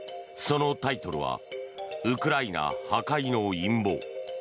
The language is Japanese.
そのタイトルは「ウクライナ破壊の陰謀」。